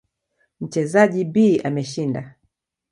Mchezaji B ameshinda.